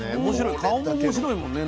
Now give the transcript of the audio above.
顔も面白いもんねなんか。